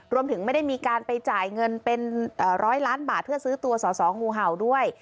ไม่ได้มีการไปจ่ายเงินเป็นร้อยล้านบาทเพื่อซื้อตัวสอสองูเห่าด้วย